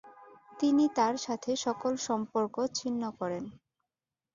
তিনি তার সাথে সকল সম্পর্ক ছিন্ন করেন।